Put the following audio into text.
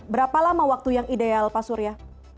berapa lama waktu yang ideal pak surya